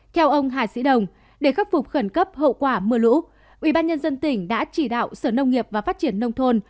theo ông hà sĩ đồng để khắc phục khẩn cấp hậu quả mưa lũ ubnd tỉnh đã chỉ đạo sở nông nghiệp và phát triển nông thôn